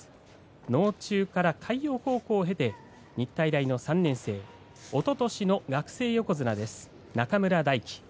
能生中から海洋高校を経て日体大の３年生でおととしの学生横綱です中村泰輝。